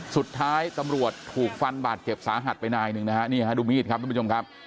สุดท้ายตำรวจถูกฟันบาดเจ็บสาหัสไปนายหนึ่งนะฮะนี่ฮะดูมีดครับทุกผู้ชมครับ